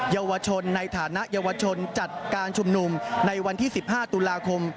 เยาวชนในฐานะเยาวชนจัดการชุมนุมในวันที่๑๕ตุลาคม